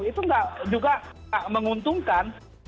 itu juga menguntungkan